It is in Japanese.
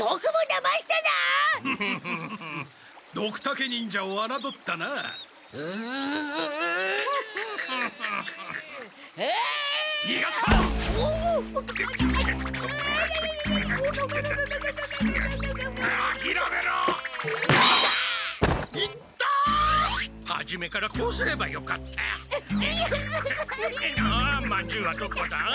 まんじゅうはどこだ？